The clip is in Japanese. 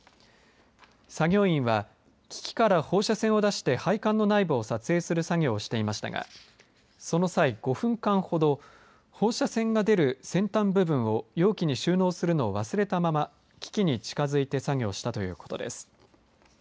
作業員は機器から放射線を出して配管の内部を撮影する作業をしていましたがその際、５分間ほど放射線が出る先端部分を容器に収納するのを忘れたまま機器に近づいて作業したということです。